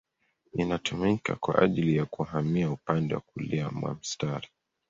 Inatumika kwa ajili ya kuhamia upande wa kulia mwa mstari.